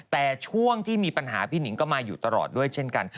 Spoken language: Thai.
แต่ช่วงที่มีปัญหาพี่หนิงก็มาอยู่ตลอดด้วยเช่นกัน